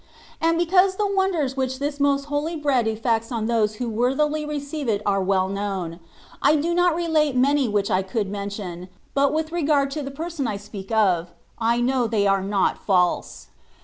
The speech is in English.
And because the wonders which this most holy bread effects on those who worthily receive it are well known, I do not relate many which I could mention, with regard to the person THE WAY OF PERFECTION. 173 I speak of, and I know they .are not false.